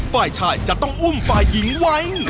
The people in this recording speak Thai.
ฝ่ายชายจะต้องอุ้มฝ่ายหญิงไว้